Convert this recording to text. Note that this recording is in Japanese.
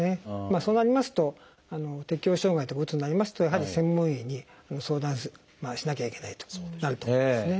そうなりますと適応障害とかうつになりますとやはり専門医に相談しなきゃいけないとなると思うんですね。